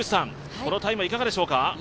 このタイムはいかがでしょうか？